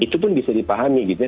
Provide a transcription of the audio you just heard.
itu pun bisa dipahami gitu ya